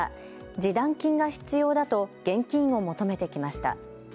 示談金が必要だと現金を求めてきました。